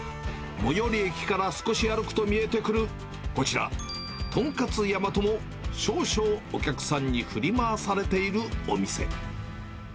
最寄り駅から少し歩くと見えてくるこちら、とんかつやまとも、少々お客さんに振り回されているお店。